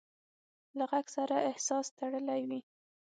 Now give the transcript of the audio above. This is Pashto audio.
له غږ سره احساس تړلی وي.